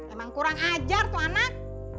emang kurang ajar tuh anak